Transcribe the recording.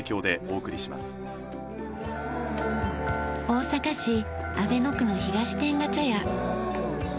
大阪市阿倍野区の東天下茶屋。